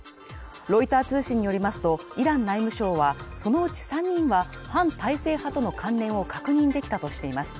ロイター通信によりますと、イラン内務省はそのうち３人は反体制派との関連を確認できたとしています。